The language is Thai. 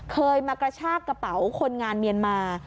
เคยมากระชากกระเป๋าคนงานเมียนมา